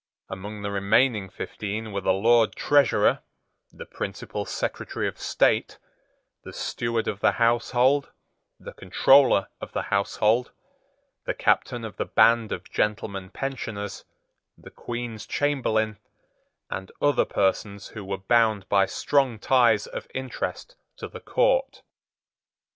Among the remaining fifteen were the Lord Treasurer, the principal Secretary of State, the Steward of the Household, the Comptroller of the Household, the Captain of the Band of Gentlemen Pensioners, the Queen's Chamberlain, and other persons who were bound by strong ties of interest to the court.